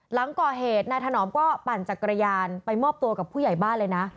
หลังก่อเหตุนายถนอมก็ปั่นจักรยานไปมอบตัวกับผู้ใหญ่บ้านเลยนะ